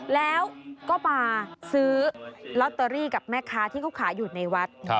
แล้วก็มาซื้อลอตเตอรี่กับแม่ค้าที่เขาขายอยู่ในวัด